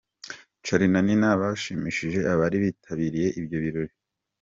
Charly na Nina bashimishije abari bitabiriye ibyo birori.